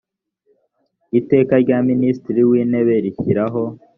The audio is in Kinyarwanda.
iteka rya minisitiri w intebe rishyiraho